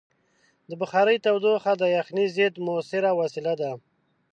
د بخارۍ تودوخه د یخنۍ ضد مؤثره وسیله ده.